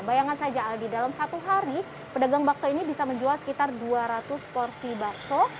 bayangkan saja aldi dalam satu hari pedagang bakso ini bisa menjual sekitar dua ratus porsi bakso